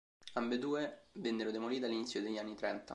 Ambedue vennero demolite all'inizio degli anni trenta.